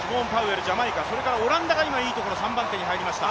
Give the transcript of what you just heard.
それからオランダが今、いいところ３番手に入りました。